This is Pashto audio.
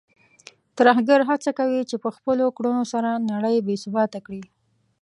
ترهګر هڅه کوي چې په خپلو کړنو سره نړۍ بې ثباته کړي.